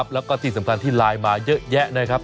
แล้วก็ที่สำคัญที่ไลน์มาเยอะแยะนะครับ